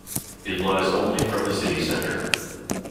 It lies only from the city centre.